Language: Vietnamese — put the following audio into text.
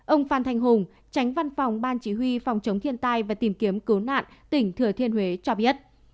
ông phan thanh hùng tránh văn phòng ban chỉ huy phòng chống thiên tai và tìm kiếm cứu nạn tỉnh thừa thiên huế cho biết